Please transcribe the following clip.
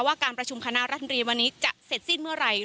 การประชุมคณะรัฐมนตรีวันนี้จะเสร็จสิ้นเมื่อไหร่